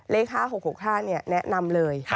เลข๕๖๖๕แนะนำเลย